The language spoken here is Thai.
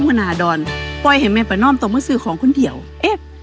พนาดอนปล่อยให้แม่ประนอมต้องมาซื้อของคนเดียวเอ๊ะ